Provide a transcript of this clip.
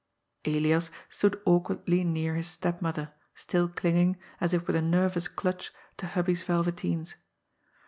Elias stood awkwardly near his stepmother, still clinging, as^if with a nervous clutch, to Hubby's velveteens.